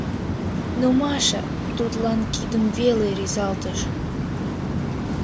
Но Маша тудлан кидым веле рӱзалтыш.